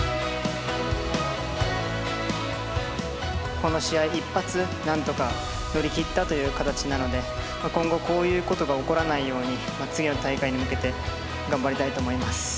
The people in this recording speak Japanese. この試合一発なんとか乗り切ったという形なので今後こういうことが起こらないように次の大会に向けて頑張りたいと思います。